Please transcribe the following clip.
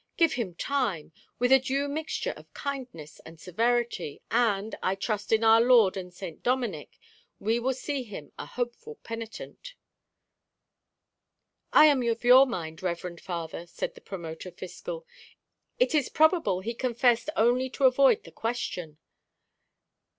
Give him time, with a due mixture of kindness and severity, and, I trust in our Lord and St. Dominic, we will see him a hopeful penitent." "I am of your mind, reverend father," said the Promoter fiscal. "It is probable he confessed only to avoid the Question.